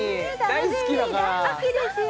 大好きですよ